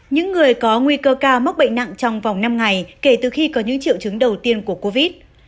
những người có nguy cơ cao mắc bệnh nặng trong vòng năm ngày kể từ khi có những triệu chứng đầu tiên của covid